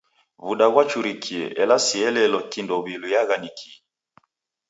W'uda ghwachurikia ela sielelo kindo w'iluyagha ni kii!